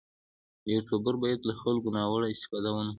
یوټوبر باید له خلکو ناوړه استفاده ونه کړي.